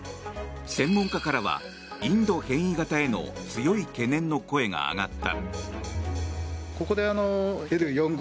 専門家からはインド変異型への強い懸念の声が上がった。